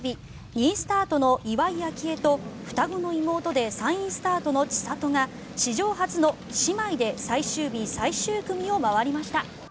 ２位スタートの岩井明愛と双子の妹で３位スタートの千怜が史上初の姉妹で最終日最終組を回りました。